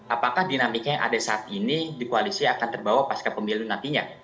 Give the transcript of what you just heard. apakah dinamika yang ada saat ini di koalisi akan terbawa pasca pemilu nantinya